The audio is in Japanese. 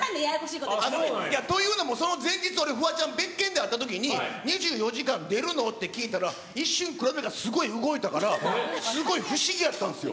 ごめんなさいね。というのもその前日、俺、フワちゃん、別件で会ったときに、２４時間出るの？って聞いたら、一瞬、黒目がすごい動いたから、すっごい不思議やったんですよ。